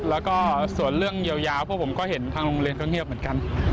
แล้วก็ส่วนเรื่องยาวพวกผมก็เห็นทางโรงเรียนก็เงียบเหมือนกัน